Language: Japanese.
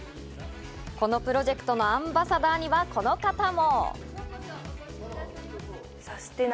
このプロジェクトのアンバサダーには、この方も。